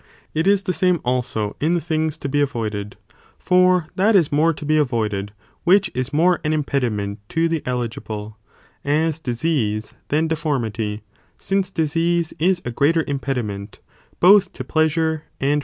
It is the same also in things to be avoided, for that is more to be avoided which is more an impediment to the eligible, as disease than deformity, since disease is a greater impediment both to pleasure and probity.